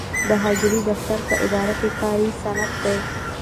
د حاضرۍ دفتر په اداره کې کاري سند دی.